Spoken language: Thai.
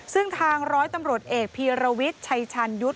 ซึ่งทางร้อยตำรวจเอกพีรวิทย์ชัยชันยุทธ์